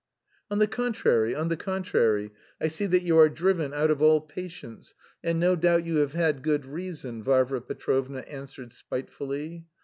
"On the contrary, on the contrary, I see that you are driven out of all patience, and, no doubt you have had good reason," Varvara Petrovna answered spitefully.